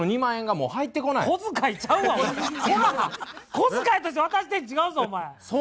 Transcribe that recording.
小遣いとして渡してん違うぞお前。